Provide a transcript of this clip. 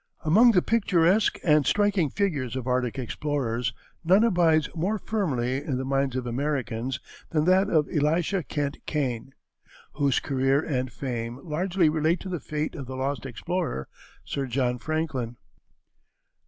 Among the picturesque and striking figures of Arctic explorers none abides more firmly in the minds of Americans than that of Elisha Kent Kane, whose career and fame largely relate to the fate of the lost explorer, Sir John Franklin.